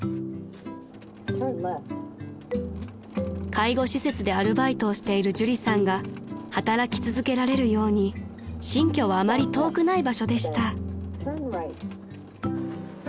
［介護施設でアルバイトをしている朱里さんが働き続けられるように新居はあまり遠くない場所でした］